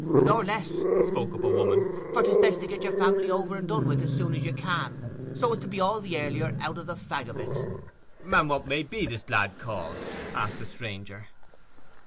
'Nor less,' spoke up a woman. 'For 'tis best to get your family over and done with, as soon as you can, so as to be all the earlier out of the fag o't.' 'And what may be this glad cause?' asked the stranger.